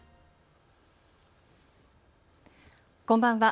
こんばんは。